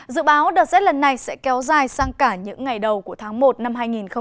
dự báo đợt rét lần này sẽ kéo dài sang cả những ngày đầu của tháng một năm hai nghìn hai mươi